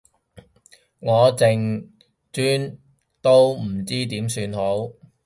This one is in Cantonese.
我淨專都唔知點算好